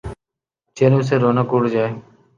، چہروں سے رونق اڑ جائے ،